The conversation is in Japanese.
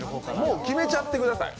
もう決めちゃってください。